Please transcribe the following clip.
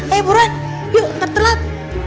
eh murad yuk ngetelap